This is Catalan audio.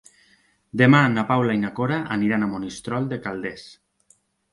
Demà na Paula i na Cora aniran a Monistrol de Calders.